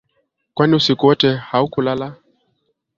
Kwani usiku wote haukulala